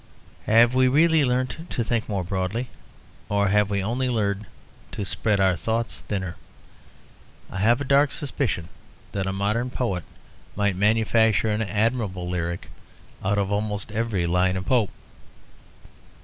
Have we really learnt to think more broadly? Or have we only learnt to spread our thoughts thinner? I have a dark suspicion that a modern poet might manufacture an admirable lyric out of almost every line of Pope.